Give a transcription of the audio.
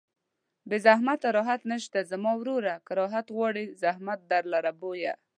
بې زحمته راحت نشته زما وروره که راحت غواړې زحمت در لره بویه